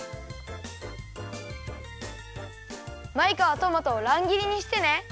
マイカはトマトをらんぎりにしてね。